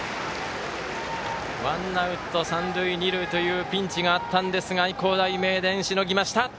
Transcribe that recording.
ワンアウト、三塁二塁というピンチがあったんですが愛工大名電、しのぎました。